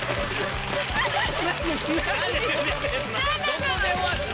どこで終わった？